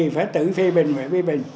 phải tự phê bình phải phê bình